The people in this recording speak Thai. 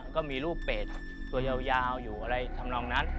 ก็มีรูปเป็ดตัวยาวอยู่อะไรทำนองนั้น